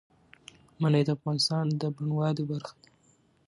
منی د افغانستان د بڼوالۍ برخه ده.